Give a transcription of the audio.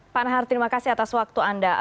pak nahar terima kasih atas waktu anda